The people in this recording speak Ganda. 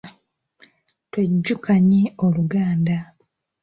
Twejjukanye Oluganda.